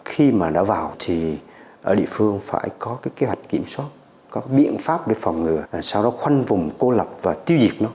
khi mà đã vào thì ở địa phương phải có cái kế hoạch kiểm soát có biện pháp để phòng ngừa sau đó khoanh vùng cô lập và tiêu diệt nó